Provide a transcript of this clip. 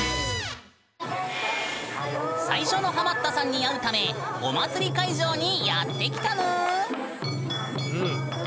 最初のハマったさんに会うためお祭り会場にやって来たぬん！